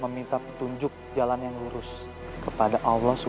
meminta petunjuk jalan yang lurus kepada allah swt